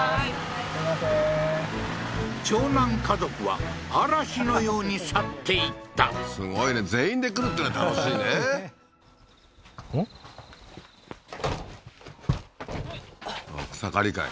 すいませーん長男家族は嵐のように去っていったすごいね全員で来るっていうのが楽しいね草刈りかい？